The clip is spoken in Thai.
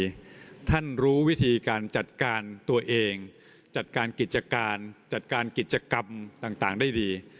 ท่านรู้วิธีการจัดการตัวเองจัดการกิจการจัดการกิจกรรมต่างได้ดี